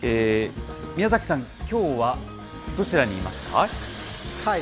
宮崎さん、きょうはどちらにいますか？